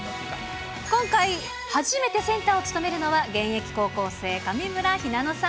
今回、初めてセンターを務めるのは、現役高校生、上村ひなのさん。